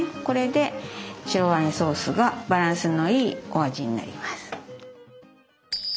これで白ワインソースがバランスのいいお味になります。